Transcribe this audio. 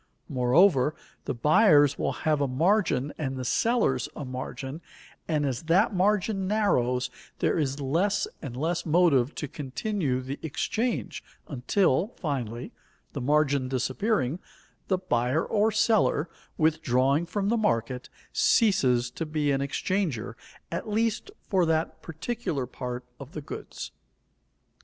Moreover, the buyers will have a margin and the sellers a margin, and as that margin narrows there is less and less motive to continue the exchange until, finally, the margin disappearing, the buyer or seller, withdrawing from the market, ceases to be an exchanger, at least for that particular part of the goods.